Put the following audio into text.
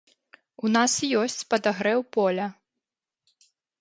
У нас ёсць падагрэў поля.